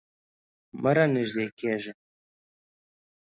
مه رانږدې کیږه